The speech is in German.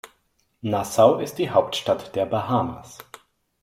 Nassau ist die Hauptstadt der Bahamas.